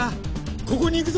ここに行くぞ！